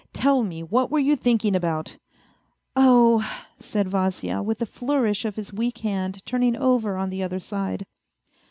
Tell me what were you thinking about ?"" Oh !" said Vasya, with a flourish of his weak hand turning over on the other side.